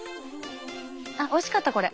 あっおいしかったこれ。